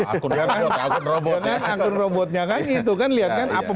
akun robotnya kan ini